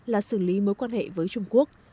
là xử lý mối quan hệ với trung quốc